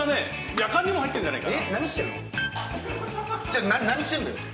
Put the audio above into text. やかんにも入ってんじゃないかな。